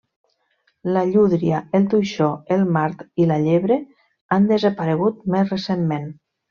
La llúdria, el toixó, el mart, i la llebre han desaparegut més recentment.